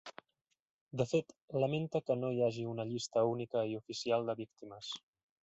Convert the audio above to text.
De fet, lamenta que no hi hagi una llista única i oficial de víctimes.